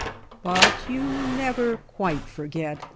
But you never quite forget.